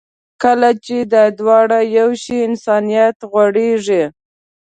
کله چې دا دواړه یو شي، انسانیت غوړېږي.